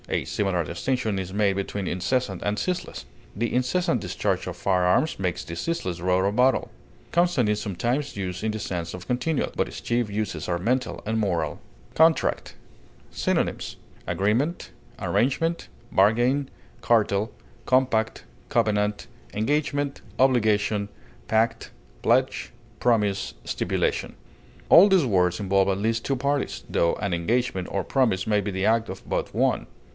A similar distinction is made between incessant and ceaseless. The incessant discharge of firearms makes the ceaseless roar of battle. Constant is sometimes used in the sense of continual; but its chief uses are mental and moral. CONTRACT. Synonyms: agreement, cartel, engagement, pledge, arrangement, compact, obligation, promise, bargain, covenant, pact, stipulation. All these words involve at least two parties, tho an engagement or promise may be the act of but one.